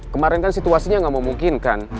kemarin kan situasinya gak mau mungkin kan